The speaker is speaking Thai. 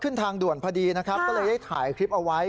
ขึ้นทางด่วนพอดีนะครับคุณผู้ชมได้ถ่ายคลิปไว้